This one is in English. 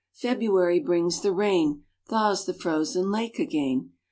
February brings the rain, Thaws the frozen lake again.